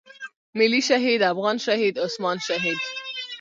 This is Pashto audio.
ملي شهيد افغان شهيد عثمان شهيد.